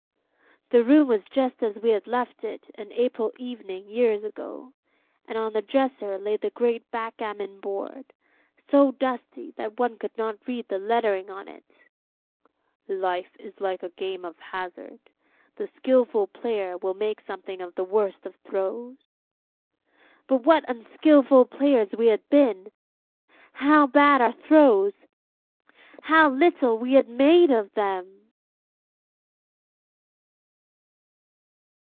The room was just as we had left it an April evening years ago, and on the dresser lay the great backgammon board, so dusty that one could not read the lettering on it; 'Life is like a game of hazard; the skilful player will make something of the worst of throws'; but what unskillful players we had been, how bad our throws, how little we had made of them!